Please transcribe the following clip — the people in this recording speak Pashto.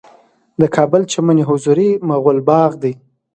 د کابل چمن حضوري مغل باغ دی